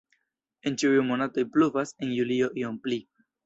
En ĉiuj monatoj pluvas, en julio iom pli.